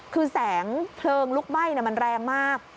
คือแสงเพลิงลุกไหม้มันแรงมาก